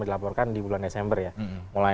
dilaporkan di bulan desember ya mulai